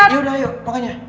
yaudah ayo pokoknya